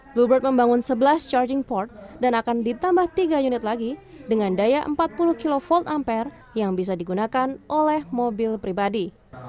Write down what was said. bluebird membangun sebelas charging port dan akan ditambah tiga unit lagi dengan daya empat puluh kv ampere yang bisa digunakan oleh mobil pribadi